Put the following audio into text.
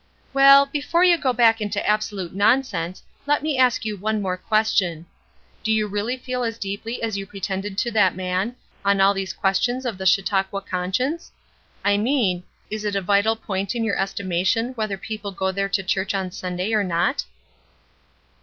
"Well, before you go back into absolute nonsense let me ask you one more question. Do you really feel as deeply as you pretended to that man, on all these questions of the Chautauqua conscience? I mean, is it a vital point in your estimation whether people go there to church on Sunday or not?"